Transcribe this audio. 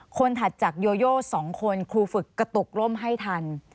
ถัดจากโยโย๒คนครูฝึกกระตุกร่มให้ทัน